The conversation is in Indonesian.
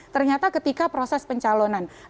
ternyata ketika proses pencalonan